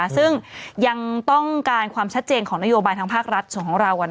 ซึ่งยังต้องการความชัดเจนของนโยบายทางภาครัฐส่วนของเรา